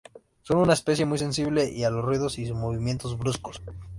Son una especie muy sensible a los ruidos y movimientos bruscos.